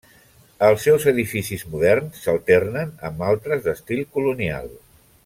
Els seus edificis moderns s'alternen amb altres d'estil colonial.